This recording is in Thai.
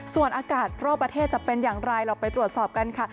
ส่วนอากาศทั่วประเทศจะเป็นอย่างไรเราไปตรวจสอบกันค่ะ